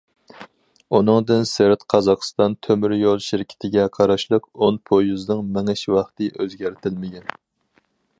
ئۇنىڭدىن سىرت قازاقىستان تۆمۈر يول شىركىتىگە قاراشلىق ئون پويىزنىڭ مېڭىش ۋاقتى ئۆزگەرتىلمىگەن.